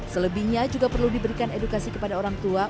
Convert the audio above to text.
selebihnya juga perlu diberikan edukasi kepada orang tua